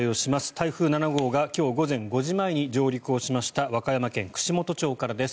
台風７号が今日午前５時前に上陸をしました和歌山県串本町からです。